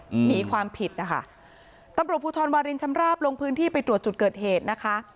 อืมหนีความผิดนะคะตำรวจภูทรวารินชำราบลงพื้นที่ไปตรวจจุดเกิดเหตุนะคะ